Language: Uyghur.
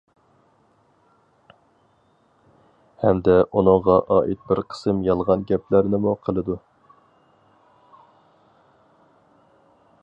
ھەمدە ئۇنىڭغا ئائىت بىر قىسىم يالغان گەپلەرنىمۇ قىلىدۇ.